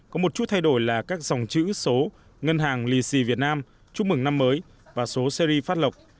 có một chút thay đổi là các dòng chữ số ngân hàng lì xì việt nam chúc mừng năm mới và số series phát lộc